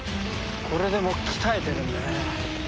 これでも鍛えてるんでね。